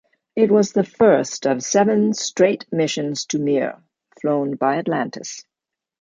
It was the first of seven straight missions to "Mir" flown by "Atlantis".